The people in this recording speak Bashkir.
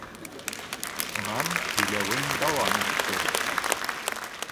Шунан һөйләүен дауам итте.